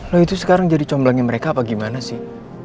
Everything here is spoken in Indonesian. lo itu sekarang jadi comblengnya mereka apa gimana sih